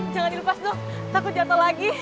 jangan dilepas tuh takut jatuh lagi